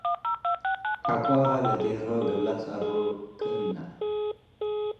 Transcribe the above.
ሐቆሀ- ለዲርሆ እግል ለጸሩ'፣ ክእና።